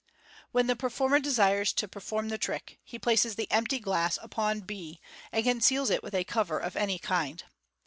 When the performer desires to perform the trick, he places the empty glass upon b, and conceals it with a cover of any kind.